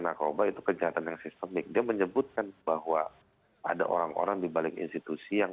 narkoba itu kejahatan yang sistemik dia menyebutkan bahwa ada orang orang di balik institusi yang